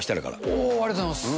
おー、ありがとうございます。